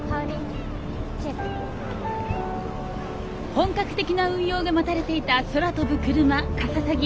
本格的な運用が待たれていた空飛ぶクルマかささぎ。